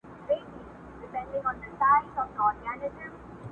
غنم ووېشه پر دواړو جوالونو!!